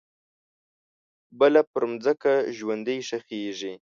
بله پرمځکه ژوندۍ ښخیږې